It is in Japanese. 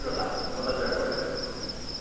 私はこれで。